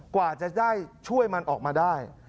กว่าจะได้ช่วยมันออกมาได้